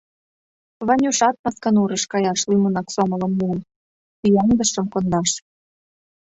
Ванюшат Масканурыш каяш лӱмынак сомылым муо: ӱяҥдышым кондаш.